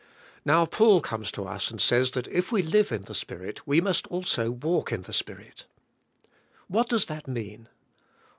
Now Paul comes to us and says that if we live in the Spirit we must also walk in the Spirit. What does that mean?